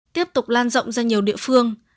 tiếp tục lan rộng ra nhiều địa phương